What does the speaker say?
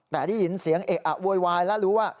แต่ได้ยินเสียงเอะอะโวยวายแล้วรู้ว่า